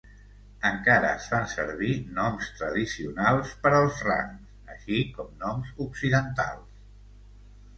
Encara es fan servir noms tradicionals per als rangs, així com noms occidentals.